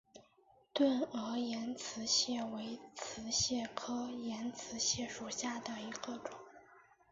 钝额岩瓷蟹为瓷蟹科岩瓷蟹属下的一个种。